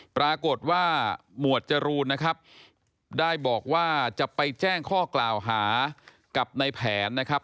ปรากฏว่าหมวดจรูนนะครับได้บอกว่าจะไปแจ้งข้อกล่าวหากับในแผนนะครับ